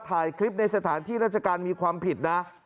ถ่ายคลิปในสถานที่ราชการมีความผิดนะ